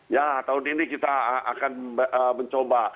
ya tahun ini kita akan mencoba